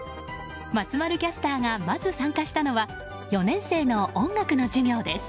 松丸キャスターがまず参加したのは４年生の音楽の授業です。